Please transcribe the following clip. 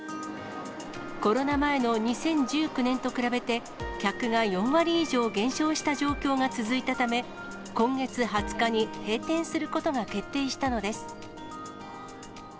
コロナ前の２０１９年と比べて、客が４割以上減少した状況が続いたため、今月２０日に閉店することが決定したのです。